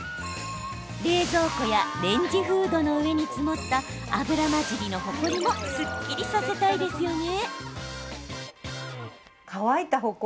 冷蔵庫やレンジフードの上に積もった油混じりのほこりもすっきりさせたいですよね。